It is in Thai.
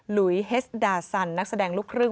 ลุยเฮสดาซันนักแสดงลูกครึ่ง